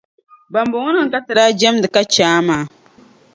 Bambɔŋɔnima ka ti daa jamdi ka che a maa.